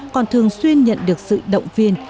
còn thường xuyên nhận được sự động viên